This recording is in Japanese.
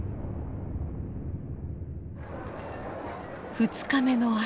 ２日目の朝